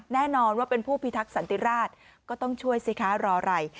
แน่นอนว่าเป็นผู้พิทักษันติราชก็ต้องช่วยสิคะรออะไร